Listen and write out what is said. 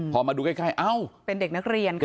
พอมาดูใกล้เอ้าเป็นเด็กนักเรียนค่ะ